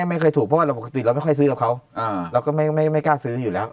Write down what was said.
ไม่เคยถูกเพราะว่าเราปกติเราไม่ค่อยซื้อกับเขาเราก็ไม่กล้าซื้ออยู่แล้ว